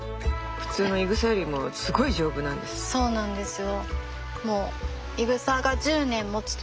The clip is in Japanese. そうなんですよ。